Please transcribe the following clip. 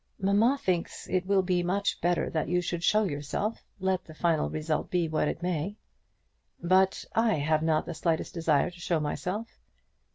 "Mamma thinks it will be much better that you should show yourself, let the final result be what it may." "But I have not the slightest desire to show myself."